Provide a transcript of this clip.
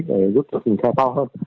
để giúp được hình xe to hơn